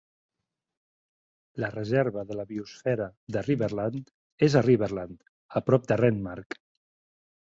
La Reserva de la Biosfera de Riverland és a Riverland, a prop de Renmark.